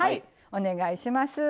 お願いします。